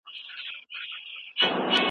په ځينو حالاتو کي مساوات نظم خرابوي.